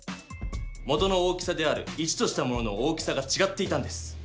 元の大きさである１としたものの大きさがちがっていたんです。